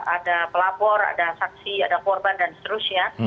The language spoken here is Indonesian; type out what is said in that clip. ada pelapor ada saksi ada korban dan seterusnya